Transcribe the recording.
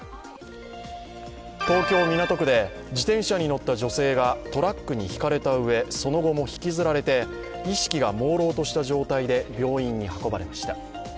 東京・港区で自転車に乗った女性がトラックにひかれたうえ、その後も引きずられて意識がもうろうとした状態で病院に運ばれました。